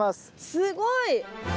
すごい！